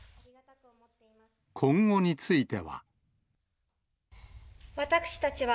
今後については。